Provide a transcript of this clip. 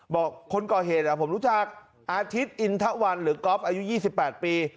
บอกคนก่อเหตุผมรู้จักอาทิตย์อินทะวันหรือก๊อฟอายุ๒๘ปี